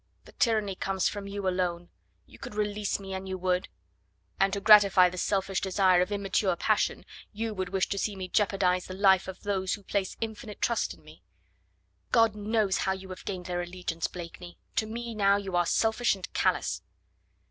"The tyranny comes from you alone. You could release me an you would." "And to gratify the selfish desire of immature passion, you would wish to see me jeopardise the life of those who place infinite trust in me." "God knows how you have gained their allegiance, Blakeney. To me now you are selfish and callous."